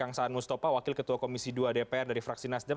kang saan mustafa wakil ketua komisi dua dpr dari fraksi nasdem